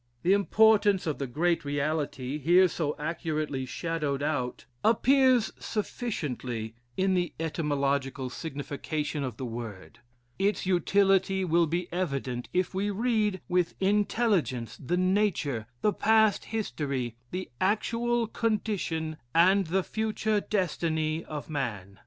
The importance of the great reality, here so accurately shadowed out, appears sufficiently in the etymological signification of the word. Its utility will be evident if we read, with intelligence, the nature, the past history, the actual condition, and the future destiny of man.